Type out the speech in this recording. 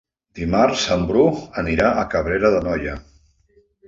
Dimarts en Bru irà a Cabrera d'Anoia.